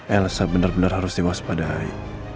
elsa benar benar harus diwaspadai